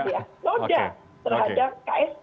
nota terhadap ksp kan gitu